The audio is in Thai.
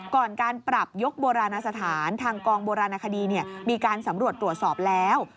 ก่อนการปรับยกโบราณสถานทางกองโบราณคดีมีการสำรวจตรวจสอบแล้ว